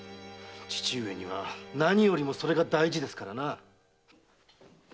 父上には何よりもそれが大事ですからな。